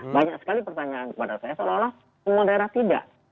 banyak sekali pertanyaan kepada saya seolah olah semua daerah tidak